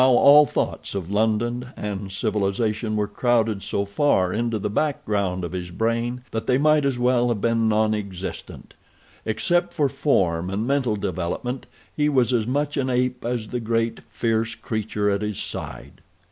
Now all thoughts of London and civilization were crowded so far into the background of his brain that they might as well have been non existent. Except for form and mental development he was as much an ape as the great, fierce creature at his side.